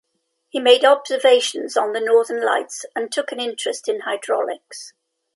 He made observations on the northern lights and took an interest in hydraulics.